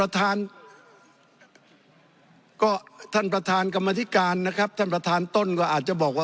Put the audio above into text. ท่านประธานกรรมนิการท่านประธานต้นอาจจะบอกว่า